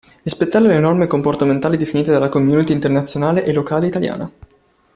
Rispettare le norme comportamentali definite dalla community Internazionale e locale italiana.